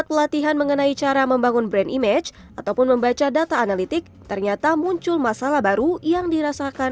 ini lebih tentang lagi saya kembali jika anda bercerita dan anda autentik anda akan mendapatkan penontonan